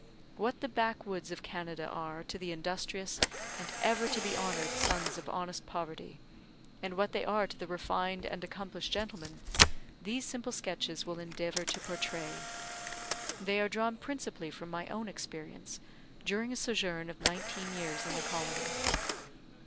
What the Backwoods of Canada are to the industrious and ever to be honoured sons of honest poverty, and what they are to the refined and accomplished gentleman, these simple sketches will endeavour to portray. They are drawn principally from my own experience, during a sojourn of nineteen years in the colony.